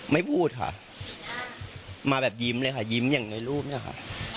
ไม่พูดค่ะมาแบบยิ้มเลยค่ะยิ้มอย่างในรูปเนี่ยค่ะ